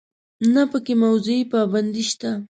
نه په کې موضوعي پابندي شته.